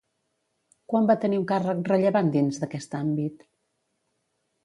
Quan va tenir un càrrec rellevant dins d'aquest àmbit?